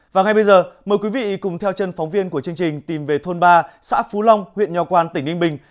và ngay bây giờ mời quý vị cùng theo chân phóng viên của chương trình tìm về thôn ba xã phú long huyện nho quan tỉnh ninh bình